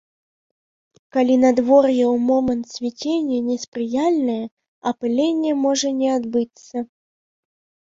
Калі надвор'е ў момант цвіцення неспрыяльнае, апыленне можа не адбыцца.